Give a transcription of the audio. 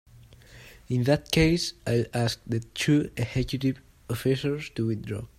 In that case I'll ask the two executive officers to withdraw.